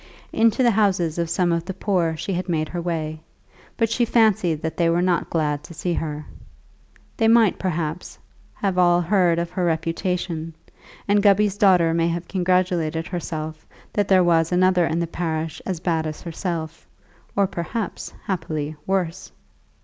Into the houses of some of the poor she had made her way, but she fancied that they were not glad to see her. They might, perhaps, have all heard of her reputation, and Gubby's daughter may have congratulated herself that there was another in the parish as bad as herself, or perhaps, happily, worse.